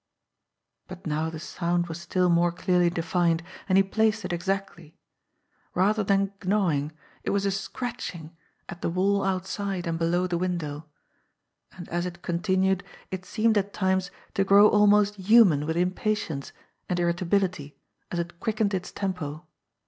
But now the sound was still more clearly defined, and he placed it exactly. Rather than a gnawing, it was a scratching THE GRAY SEAL 2J at the wall outside and below the window; and as it con* tinued it seemed at times to grow almost human with im patience and irritability as it quickened its tempo.